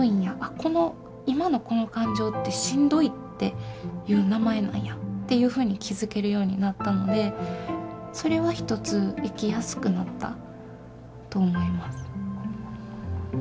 「この今のこの感情ってしんどいっていう名前なんや」っていうふうに気付けるようになったのでそれは一つ生きやすくなったと思います。